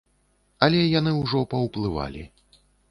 Але яны ўжо паўплывалі.